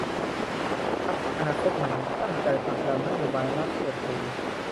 พรรคอนาคตใหม่ตั้งใจผลักดันนโยบายรัฐเปิดเผย